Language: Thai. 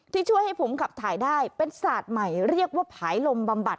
ที่ช่วยให้ผมขับถ่ายได้เป็นศาสตร์ใหม่เรียกว่าผายลมบำบัด